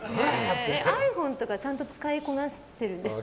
ｉＰｈｏｎｅとかちゃんと使いこなしてるんですか。